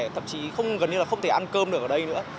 thậm chí không gần như là không thể ăn cơm được ở đây nữa